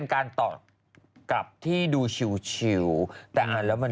โอลี่คัมรี่ยากที่ใครจะตามทันโอลี่คัมรี่ยากที่ใครจะตามทัน